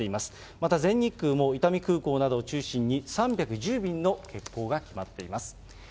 また全日空も伊丹空港などを中心に３１０便の欠航が決まっています。